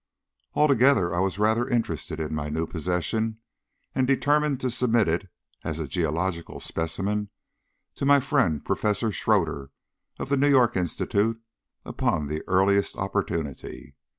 Altogether I was rather interested in my new possession, and determined to submit it, as a geological specimen, to my friend Professor Shroeder of the New York Institute, upon the earliest opportunity.